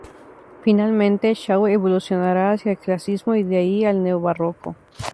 Finalmente Shaw evolucionará hacia el clasicismo y de ahí al neobarroco.